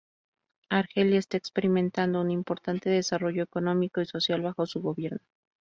Argelia está experimentando un importante desarrollo económico y social bajo su gobierno.